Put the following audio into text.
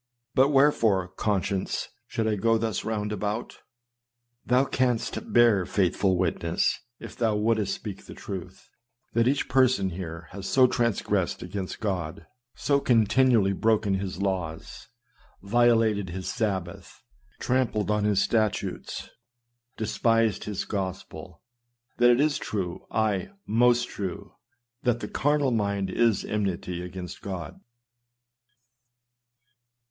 But where fore, conscience, should I go thus round about ? Thou canst bear faithful witness, if thou wouldst speak the truth, that each person here has so transgressed against God, so continually broken his laws, violated his Sab bath, trampled on his statutes, despised his gospel, that it is true, aye, most true, that " the carnal mind is enmity against God."